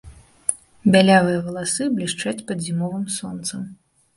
Бялявыя валасы блішчаць пад зімовым сонцам.